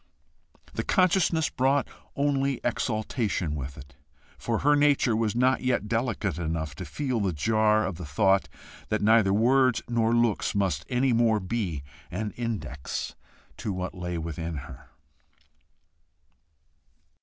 The consciousness brought only exultation with it, for her nature was not yet delicate enough to feel the jar of the thought that neither words nor looks must any more be an index to what lay within her.